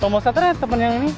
tombol saturnya teman yang ini